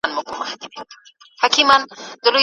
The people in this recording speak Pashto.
ولي مدام هڅاند د مستحق سړي په پرتله موخي ترلاسه کوي؟